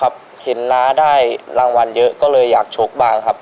บางวันเยอะก็เลยอยากชกบ้างครับ